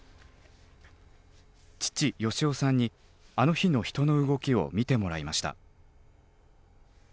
父善夫さんにあの日の人の動きを見てもらいました。